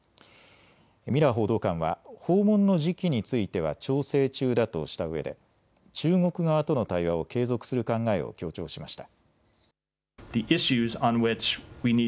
ミラー報道官は訪問の時期については調整中だとしたうえで、中国側との対話を継続する考えを強調しました。